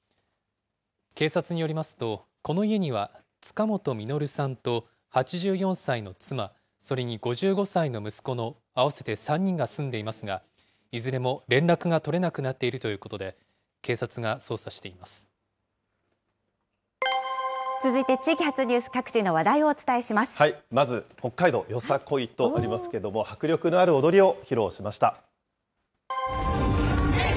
警察によりますと、この家には塚本実さんと８４歳の妻、それに５５歳の息子の合わせて３人が住んでいますが、いずれも連絡が取れなくなっているということで、警察が捜査して続いて地域発ニュース、まず北海道、ＹＯＳＡＫＯＩとありますけれども、迫力のある踊りを披露しました。